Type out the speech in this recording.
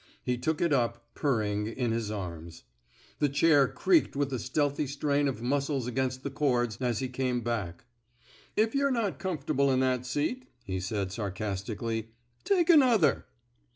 He took it up, purring, in his arms. The chair creaked with the stealthy strain of muscles against the cords as he came back. *' If yuh're not comfortable in that seat," he said, sarcastically, take another."